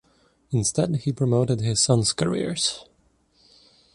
Instead, he promoted his sons' careers.